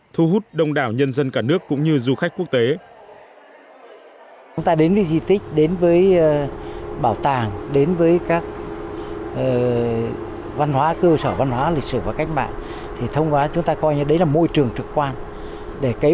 thu hút đông đảo nhân dân cả nước cũng như du khách quốc tế